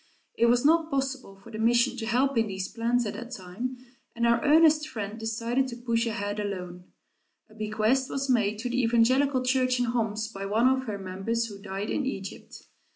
It was not possible for the mission to help in these plans at that time, and our earnest friend decided to push ahead alone. A bequest was made to the evangelical church in Homs by one of her members who died in Egypt.